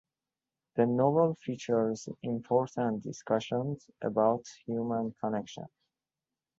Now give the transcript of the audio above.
The novel features important discussions about human connection.